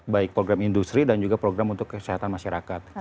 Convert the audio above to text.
baik program industri dan juga program untuk kesehatan masyarakat